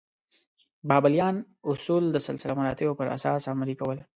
بابلیان اصول د سلسله مراتبو پر اساس عملي کول.